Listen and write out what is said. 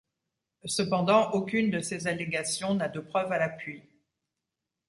Cependant, aucune de ces allégations n'a de preuve à l'appui.